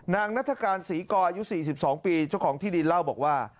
นัฐกาลศรีกออายุ๔๒ปีเจ้าของที่ดินเล่าบอกว่า